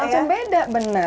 langsung beda bener